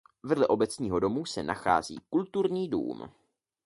Vedle obecního úřadu se nachází kulturní dům.